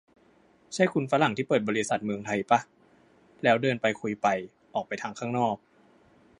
ใช่คุณฝรั่งที่เปิดบริษัทเมืองไทยป่ะ แล้วเดินไปคุยไป ออกไปทางข้างนอก